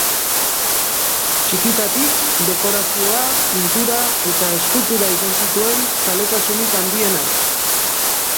Txikitatik, dekorazioa, pintura eta eskultura izan zituen zaletasunik handienak.